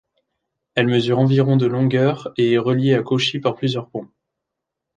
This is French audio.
Elle mesure environ de longueur et est reliée à Kochi par plusieurs ponts.